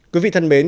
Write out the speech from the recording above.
quý vị thân mến